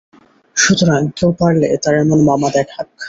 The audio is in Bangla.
সুতরাং কেউ পারলে তার এমন মামা দেখাক।